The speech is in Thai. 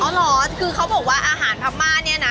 เหรอคือเขาบอกว่าอาหารพม่าเนี่ยนะ